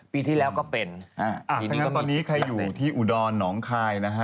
ปีที่แล้วก็เป็นอันนี้ก็มีสิทธิ์อ่ะถ้างั้นตอนนี้ใครอยู่ที่อุดรนด์น้องคายนะฮะ